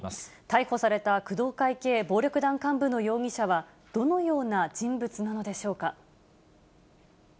逮捕された工藤会系暴力団幹部の容疑者は、どのような人物なのでしょうか。